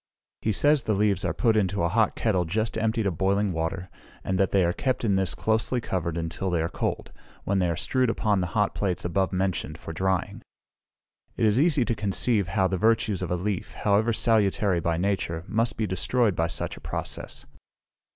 He says the leaves are put into a hot kettle just emptied of boiling water, and that they are kept in this closely covered until they are cold, when they are strewed upon the hot plates above mentioned for drying. It is easy to conceive how the virtues of a leaf, however salutary by nature, must be destroyed by such a process.